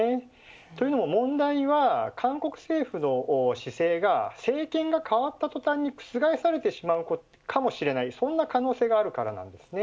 というのも問題は韓国政府の姿勢が政権が変わった途端に覆されてしまうかもしれないそんな可能性があるかもしれないからです。